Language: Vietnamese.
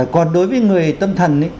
còn đối với người tâm thần